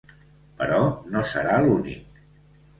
Però no serà l’únic.